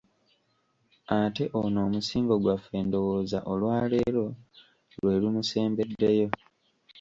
Ate ono omusingo gwaffe ndowooza olwa leero lwe lumusembeddeyo.